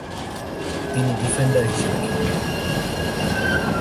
তিনি ডিফেন্ডার হিসেবে খেলেন।